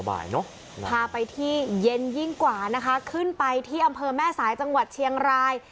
พาไปที่เย็นยิ่งกว่านะคะขึ้นไปที่อำเภอแม่สายจังหวัดเชียงราย